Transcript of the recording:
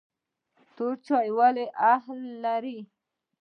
تور چای ولې هل لري؟